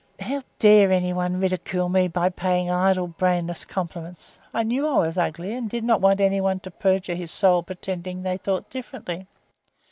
"How dare anyone ridicule me by paying idle brainless compliments! I knew I was ugly, and did not want any one to perjure his soul pretending they thought differently.